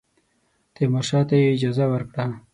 تیمورشاه ته یې اجازه ورکړه.